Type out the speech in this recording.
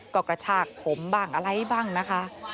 ก็กระชากผมบ้างอะไรบ้างนะคะ